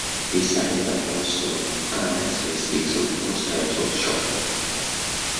These signs are also characteristic of most types of shock.